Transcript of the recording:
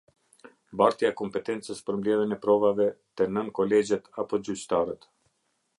Bartja e kompetencës për mbledhjen e provave te nën-kolegjet apo gjyqtarët.